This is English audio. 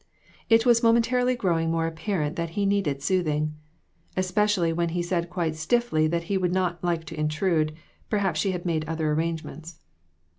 It was momentarily growing more apparent that he needed soothing. Especially when he said quite stiffly that he would not like to intrude; perhaps she had made other arrangements.